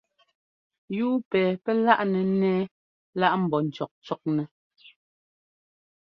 Yúu pɛ pɛ́ láꞌnɛ ńnɛ́ɛ lá ḿbɔ́ ńcɔ́kcɔknɛ́.